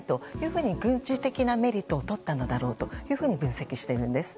ふうに軍事的なメリットをとったのだろうと分析しているんです。